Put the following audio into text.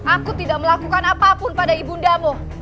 aku tidak melakukan apapun pada ibundamu